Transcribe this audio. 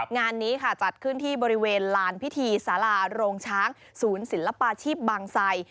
งานนี้ค่ะจัดขึ้นที่บริเวณลานพิธีสาราโรงช้างศูนย์ศิลปาชีพบางไซ